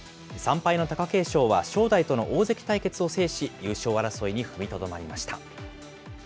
３敗の貴景勝は正代との大関対決を制し、優勝争いに踏みとどまりました。